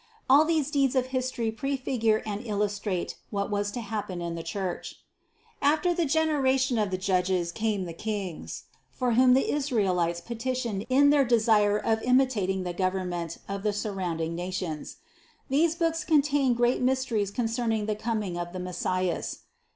All these deeds of history prefigure and illustrate what was to happen in the Church. 154. After the generation of the Judges came the Kings, for whom the Israelites petitioned in their desire of imitating the government of the surrounding nations. These books contain great mysteries concerning the com ing of the Messias.